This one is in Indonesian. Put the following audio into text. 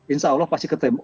insya allah pasti ketemu